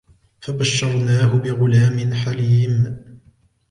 فَبَشَّرْنَاهُ بِغُلَامٍ حَلِيمٍ